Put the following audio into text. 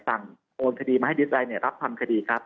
สั่งโทษคดีมาให้ดีใจเนี่ยรับความคดีครับ